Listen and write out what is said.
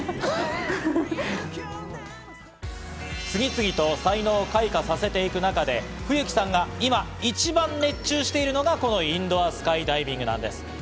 次々と才能を開花させていく中で、冬妃さんが今、一番熱中しているのが、このインドアスカイダイビングなんです。